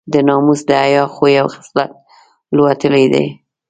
د ناموس د حیا خوی او خصلت لوټلی دی.